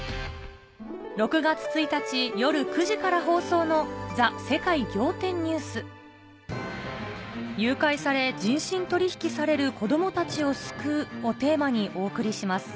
６月１日夜９時から放送の「誘拐され人身取引される子どもたちを救う！」をテーマにお送りします